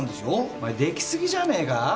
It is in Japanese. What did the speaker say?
お前出来すぎじゃねえか？